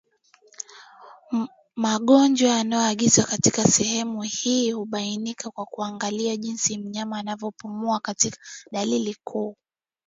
Magonjwa yanayoangaziwa katika sehemu hii hubainika kwa kuangalia jinsi mnyama anavyopumua kama dalili kuu